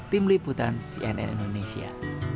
tim liputan cnn indonesia